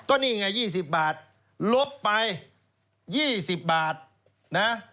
ก็นี่ไง๒๐บาทลบไป๒๐บาทนะ